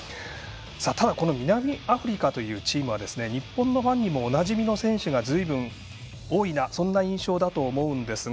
ただ、南アフリカというチームは日本のファンにもおなじみの選手がずいぶん多いなそんな印象だと思うんですが。